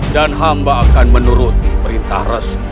dan hamba akan menuruti perintah res